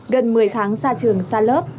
gần một mươi tháng xa trường xa lớp